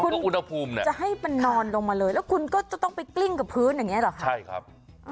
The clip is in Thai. คุณจะให้มันนอนลงมาเลยและคุณจะต้องไปกลิ้งกับพื้นหรือครับ